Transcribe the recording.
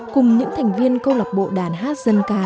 cùng những thành viên câu lạc bộ đàn hát dân ca